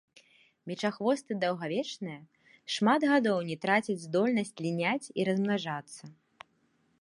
Мечахвосты даўгавечныя, шмат гадоў не трацяць здольнасць ліняць і размнажацца.